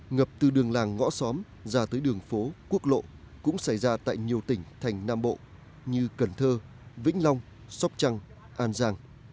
ngập từ đường làng ngõ xóm ra tới đường phố quốc lộ cũng xảy ra tại nhiều tỉnh thành nam bộ như cần thơ vĩnh long sóc trăng an giang